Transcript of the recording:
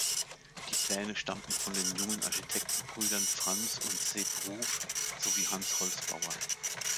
Die Pläne stammten von den jungen Architekten-Brüdern Franz und Sep Ruf sowie Hans Holzbauer.